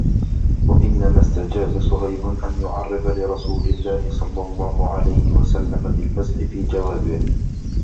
وَإِنَّمَا اسْتَجَازَ صُهَيْبٌ أَنْ يُعَرِّضَ لِرَسُولِ اللَّهِ صَلَّى اللَّهُ عَلَيْهِ وَسَلَّمَ بِالْمَزْحِ فِي جَوَابِهِ